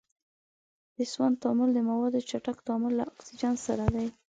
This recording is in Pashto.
د سون تعامل د موادو چټک تعامل له اکسیجن سره دی.